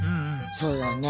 そうだね。